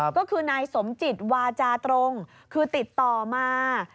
ก็คือนายสมจิตวาจาตรงคือติดต่อมา